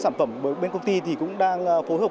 sản phẩm bên công ty cũng đang phối hợp